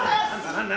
何だ？